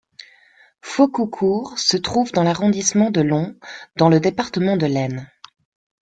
Faucoucourt se trouve dans l'arrondissement de Laon du département de l'Aisne.